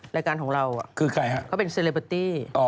รายการอะไรฮะคือใครฮะเค้าเป็นเซเลเบอตี้